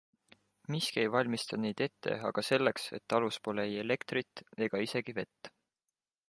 Miski ei valmista neid ette aga selleks, et talus pole ei elektrit ega isegi vett!